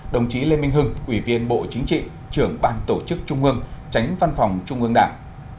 đồng chí lê minh hưng ủy viên bộ chính trị trưởng ban tổ chức trung ương tránh văn phòng trung ương đảng